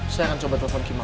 saya akan coba telfon ke kamar